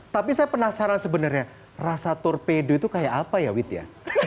tapi saya penasaran sebenarnya rasa torpedo itu kayak apa ya wit ya